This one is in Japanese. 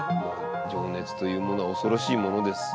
情熱というものは恐ろしいものです。